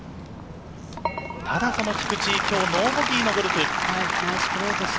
ただ菊地、今日はノーボギーのゴルフ。